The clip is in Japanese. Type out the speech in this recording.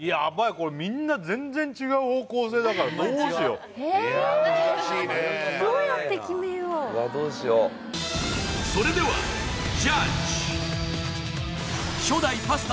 これみんな全然違う方向性だからどうしようえっそれでは初代パスタ